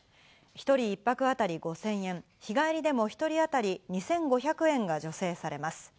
１人一泊あたり５０００円、日帰りでも１人当たり２５００円が助成されます。